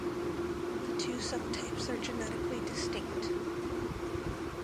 The two subtypes are genetically distinct.